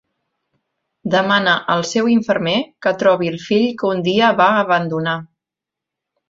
Demana al seu infermer que trobi el fill que un dia va abandonar.